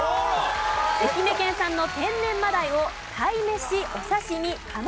愛媛県産の天然真鯛を鯛めしお刺し身カマ